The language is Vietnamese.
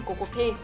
của cuộc thi